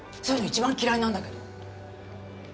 そういうの一番嫌いなんだけど。